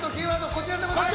こちらでございます。